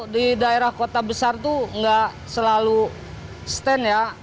di daerah kota besar itu nggak selalu stand ya